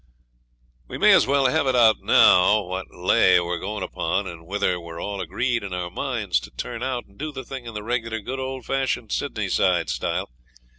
'We may as well have it out now what lay we're going upon and whether we're all agreed in our minds TO TURN OUT, and do the thing in the regular good old fashioned Sydney side style.